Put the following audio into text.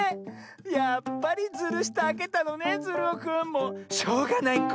やっぱりズルしてあけたのねズルオくんもうしょうがないこ。